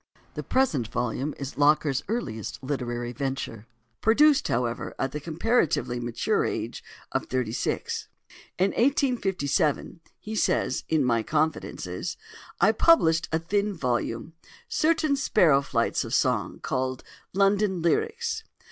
The present volume is Locker's earliest literary venture; produced, however, at the comparatively mature age of thirty six. "In 1857," he says in "My Confidences," "I published a thin volume—certain sparrow flights of song, called 'London Lyrics.